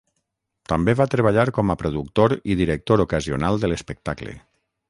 També va treballar com a productor i director ocasional de l'espectacle.